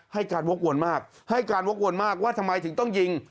ให้การวกวนมากให้การวกวนมากว่าทำไมถึงต้องยิง